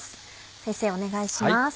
先生お願いします。